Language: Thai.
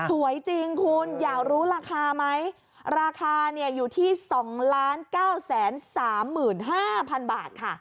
สวยจริงคุณอยากรู้ราคาไหมราคาเนี้ยอยู่ที่สองล้านเก้าแสนสามหมื่นห้าพันบาทค่ะ